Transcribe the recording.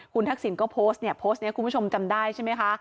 คุณทักษิณก็โพสต์เนี่ยโพสต์นี้คุณผู้ชมจำได้ใช่ไหมคะ